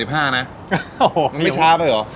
โอ้โหมันไม่ช้าไปหรอ